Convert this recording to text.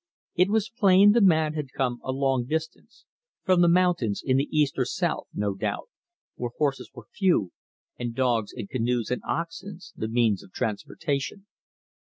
It was plain the man had come a long distance from the mountains in the east or south, no doubt, where horses were few, and dogs, canoes, and oxen the means of transportation.